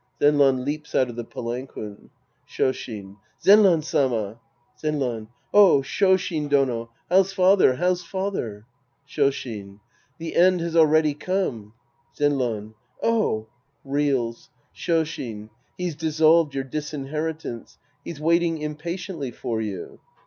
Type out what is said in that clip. (Zenran leaps out of the palanquin^ Shoshin. Zenran Sama ! Zenran. Oh, Shoshin Dono ! How's father ? How's fatlier ? Shoshin. The end has already come. Zenran. Oh ! {Reels.) Shoshin. He's dissolved your disinheritance. He's waiting impatiently for you.